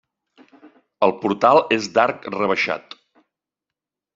El portal és d'arc rebaixat.